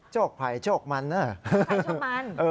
ชกไภชกมัน